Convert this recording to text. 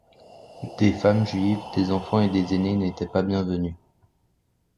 Des femmes juives, des enfants et des aînés n'étaient pas bienvenus.